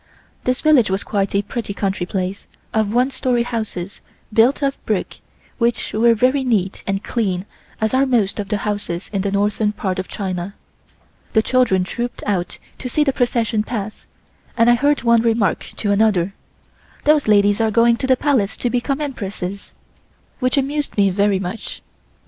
This village was quite a pretty country place of one story houses built of brick, which were very neat and clean as are most of the houses in the northern part of China. The children trouped out to see the procession pass, and I heard one remark to another: "Those ladies are going to the Palace to become Empresses," which amused me very much.